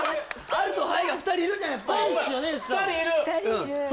「ある」と「はい」が２人いるじゃん